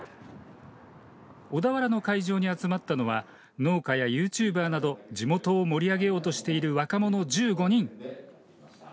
小田原の会場に集まったのは農家やユーチューバーなど地元を盛り上げようとしている若者１５人。